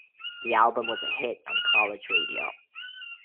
The album was a hit on college radio.